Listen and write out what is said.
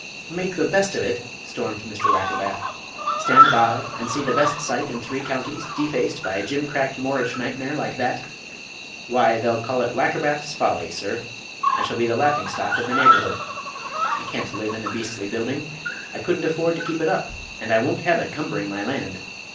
"Make the best of it?" stormed Mr. Wackerbath. "Stand by and see the best site in three counties defaced by a jimcrack Moorish nightmare like that! Why, they'll call it 'Wackerbath's Folly,' sir. I shall be the laughing stock of the neighbourhood. I can't live in the beastly building. I couldn't afford to keep it up, and I won't have it cumbering my land.